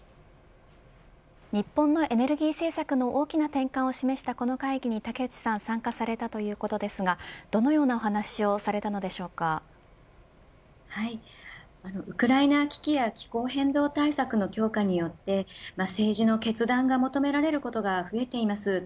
日本のエネルギー政策の大きな転換を示したこの会議に竹内さん参加されたということですがどのようなお話をウクライナ危機や気候変動対策の強化によって政治の決断が求められることが増えています。